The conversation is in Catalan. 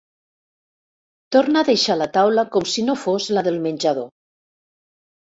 Torna a deixar la taula com si no fos la del menjador.